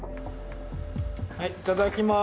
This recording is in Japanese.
はいいただきます。